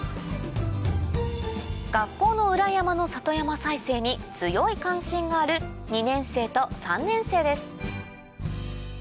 学校の裏山の里山再生に強い関心がある２年生と３年生です